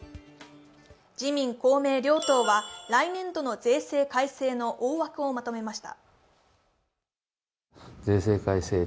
自民・公明両党は来年度の税制改正の大枠をまとめました。